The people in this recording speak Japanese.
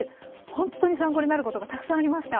ほんとに参考になることがたくさんありました。